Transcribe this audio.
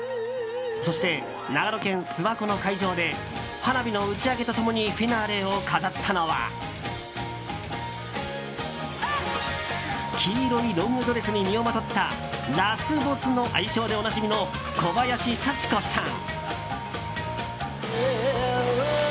そして、長野県諏訪湖の会場で花火の打ち上げと共にフィナーレを飾ったのは黄色いロングドレスに身をまとったラスボスの愛称でおなじみの小林幸子さん。